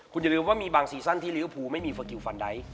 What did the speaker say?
คุณอย่าลืมว่ามีบางซีซั่นที่ริวภูไม่มีเฟอร์กิลฟันไดท์